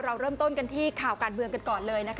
เราเริ่มต้นกันที่ข่าวการเมืองกันก่อนเลยนะคะ